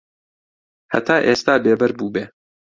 هەتا ئێستا بێبەر بووبێ